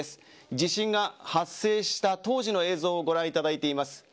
地震が発生した当時の映像をご覧いただいています。